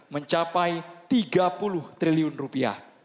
mencapai tiga puluh triliun rupiah